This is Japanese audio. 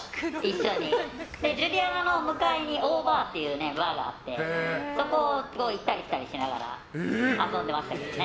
ジュリアナの向かいにバーがあってそこを行ったり来たりしながら遊んでましたけどね。